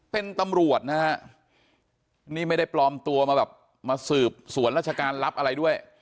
เป็นตำรวจนะฮะนี่ไม่ได้ปลอมตัวมาแบบมาสืบสวนราชการรับอะไรด้วย